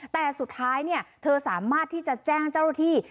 แต่สุดท้ายเนี่ยเธอสามารถที่จะแจ้งเจ้าที่